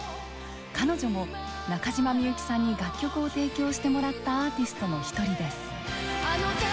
彼女も中島みゆきさんに楽曲を提供してもらったアーティストの一人です。